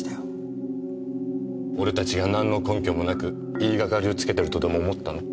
俺たちが何の根拠もなく言いがかりをつけてるとでも思ったの？